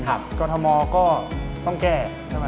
กรัฐมอก็ต้องแก้